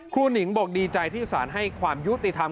หนิงบอกดีใจที่สารให้ความยุติธรรม